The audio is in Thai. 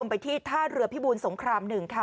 ไปที่ท่าเรือพี่บูนสงครามหนึ่งค่ะ